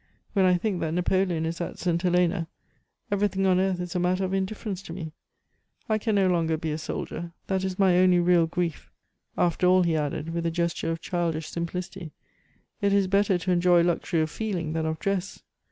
When I think that Napoleon is at Saint Helena, everything on earth is a matter of indifference to me. I can no longer be a soldier; that is my only real grief. After all," he added with a gesture of childish simplicity, "it is better to enjoy luxury of feeling than of dress.